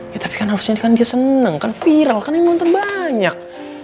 ya tapi kan harusnya dia kan seneng kan viral kan yang nonton banyak